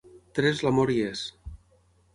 Tres l'amor hi és.